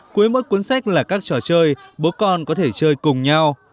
cuối mỗi cuốn sách là các trò chơi bố con có thể chơi cùng nhau